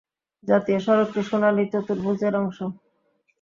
জাতীয় সড়কটি সোনালী চতুর্ভূজ এর অংশ।